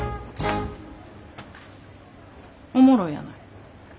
おもろいやない。